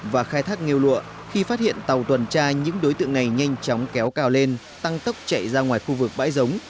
và khai thác nghêu lụa khi phát hiện tàu tuần tra những đối tượng này nhanh chóng kéo cao lên tăng tốc chạy ra ngoài khu vực bãi giống